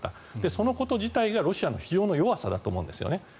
そのこと自体がロシアの弱さだと思うんですね。